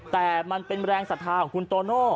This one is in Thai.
แต่มันเป็นแรงศรัทธาของคุณโตโน่